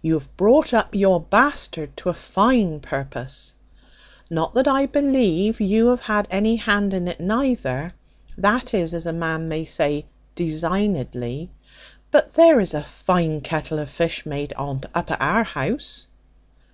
You have brought up your bastard to a fine purpose; not that I believe you have had any hand in it neither, that is, as a man may say, designedly: but there is a fine kettle of fish made on't up at our house."